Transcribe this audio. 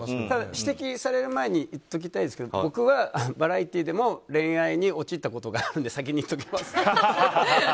ただ、指摘される前に言っておきたいですけど僕はバラエティーでも、恋愛に陥ったことがあるんで先に言っときます。